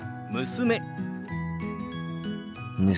娘。